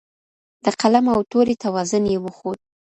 د قلم او تورې توازن یې وښود